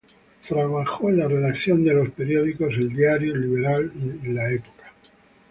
Trabajó en la redacción de los periódicos "El Diario", "El Liberal", y "La Época".